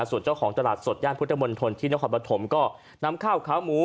ส่วนเจ้าของตลาดสดย่านพุทธมนตรที่นครปฐมก็นำข้าวขาวหมู